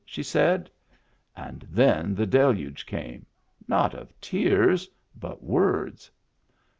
" she saiA And then the deluge came — not of tears, but words.